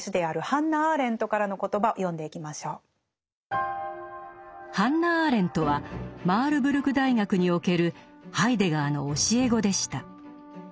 ハンナ・アーレントはマールブルク大学におけるハイデガーの教え子でした。